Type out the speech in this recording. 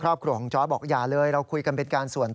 ครอบครัวของจอร์ดบอกอย่าเลยเราคุยกันเป็นการส่วนตัว